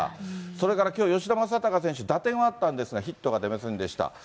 それからきょう、吉田正尚選手、打点はあったんですが、ヒットが出ませんでした。